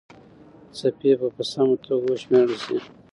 څپې به په سمه توګه وشمېرل سي.